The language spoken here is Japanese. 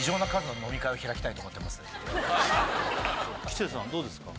吉瀬さんどうですか？